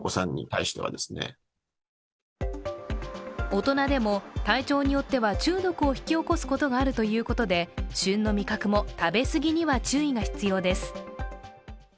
大人でも体調によっては中毒を引き起こすことがあるということで旬の味覚も、食べ過ぎには注意が必要です。